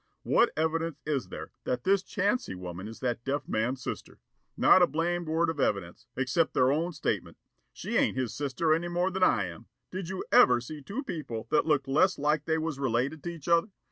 What evidence is there that this Chancy woman is that deaf man's sister? Not a blamed word of evidence, except their own statement. She ain't his sister any more than I am. Did you ever see two people that looked less like they was related to each other?